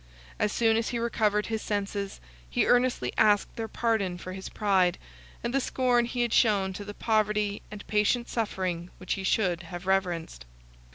As soon as he recovered his senses, he earnestly asked their pardon for his pride, and the scorn he had shown to the poverty and patient suffering which he should have reverenced.